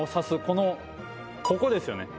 このここですよね。